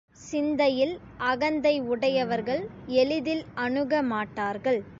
சிந்தையில் அகந்தை உடையவர்கள் எளிதில் அணுகமாட்டார்கள்.